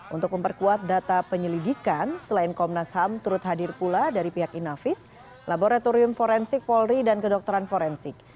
untuk memperkuat data penyelidikan selain komnas ham turut hadir pula dari pihak inavis laboratorium forensik polri dan kedokteran forensik